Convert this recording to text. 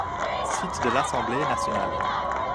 Site de l'Assemblée nationale.